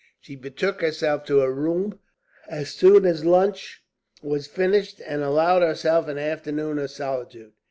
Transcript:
She betook herself to her room as soon as lunch was finished, and allowed herself an afternoon of solitude.